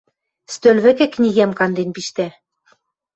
Стӧл вӹкӹ книгӓм канден пиштӓ.